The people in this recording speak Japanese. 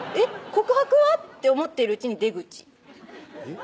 告白は？って思ってるうちに出口えっ？